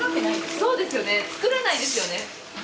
そうですよね作らないですよね。